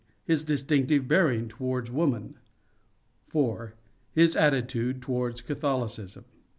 His distinctive bearing towards woman. 4. His attitude towards Catholicism.